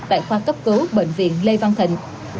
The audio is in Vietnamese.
tại khoa cấp cứu bệnh viện lê văn thịnh